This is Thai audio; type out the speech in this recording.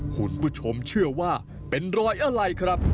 คุณผู้ชมเชื่อว่าเป็นรอยอะไรครับ